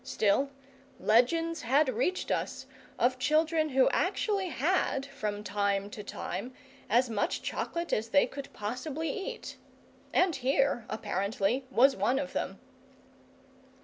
Still, legends had reached us of children who actually had, from time to time, as much chocolate as they could possibly eat; and here, apparently, was one of them.